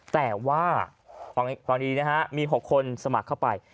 แต่ว่าความดีนะฮะมี๖คนสมัครเข้าไป